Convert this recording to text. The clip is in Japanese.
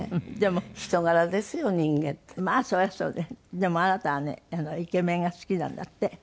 「でもあなたはねイケメンが好きなんだって」